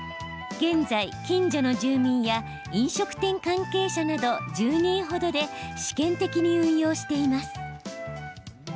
現在、近所の住民や飲食店関係者など１０人ほどで試験的に運用しています。